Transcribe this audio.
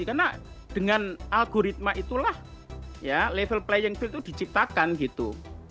karena dengan algoritma itulah ya level playing field itu diciptakan gitu